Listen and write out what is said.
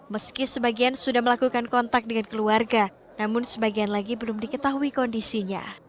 meski sebagian sudah melakukan kontak dengan keluarga namun sebagian lagi belum diketahui kondisinya